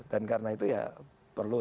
dan karena itu ya perlu